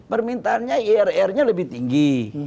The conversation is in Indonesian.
permintaannya irr nya lebih tinggi